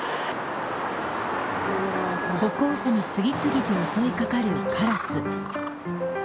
歩行者に次々と襲いかかるカラス。